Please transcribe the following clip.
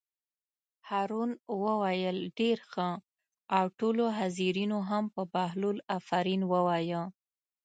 هارون وویل: ډېر ښه او ټولو حاضرینو هم په بهلول آفرین ووایه.